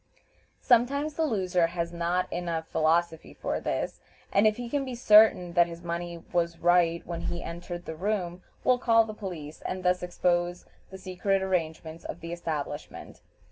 Sometimes the loser has not enough philosophy for this, and if he can be certain that his money was right when he entered the room, will call in the police, and thus expose the secret arrangements of the establishment.